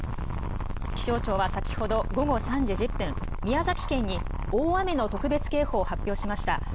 気象庁は先ほど午後３時１０分、宮崎県に大雨の特別警報を発表しました。